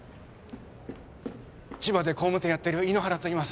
千葉で工務店やってる猪原といいます。